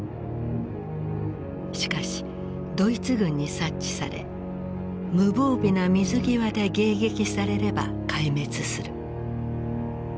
しかしドイツ軍に察知され無防備な水際で迎撃されれば壊滅する。